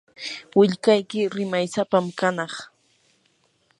willkayki rimaysapam kanaq.